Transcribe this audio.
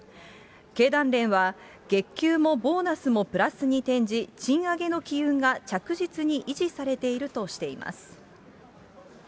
経団連は、月給もボーナスもプラスに転じ、賃上げの機運が着実に維持されているとしています。